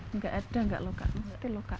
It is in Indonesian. enggak ada enggak luka